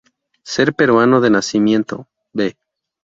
Ser peruano de nacimiento; b.